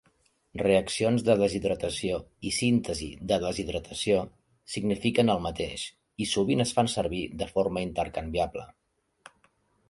Reaccions de deshidratació i síntesi de deshidratació signifiquen el mateix i sovint es fan servir de forma intercanviable.